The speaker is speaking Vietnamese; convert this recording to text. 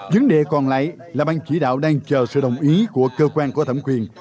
vấn đề còn lại là bang chỉ đạo đang chờ sự đồng ý của cơ quan của thẩm quyền